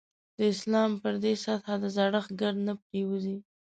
د اسلام پر دې سطح د زړښت ګرد نه پرېوځي.